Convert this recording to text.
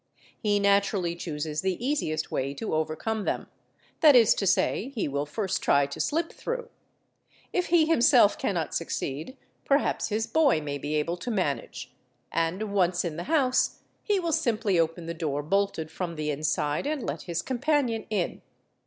He naturally chooses the easiest way to overcome them, that is to say, he will first. try te slip through; if he himself cannot succeed, perhaps his boy may 'be able to manage, and once in the house he will simply open the door ' bolted from the inside and let his companion in.